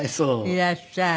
いらっしゃーい。